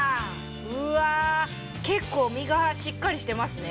うわ結構身がしっかりしてますね。